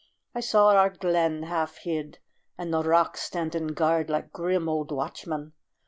I saw our glen, half hid, and the rocks Standing guard like grim old watchmen.